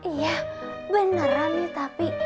iya beneran ya tapi